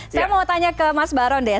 saya mau tanya ke mas baron deh